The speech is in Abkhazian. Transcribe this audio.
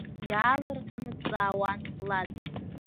Иаалырҟьаны дҵаауан Лад.